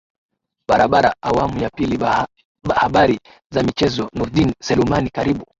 barabara awamu ya pili habari za michezo nurdin selumani karibu